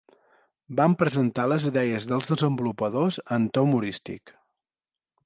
Van presentar les idees dels desenvolupadors en to humorístic.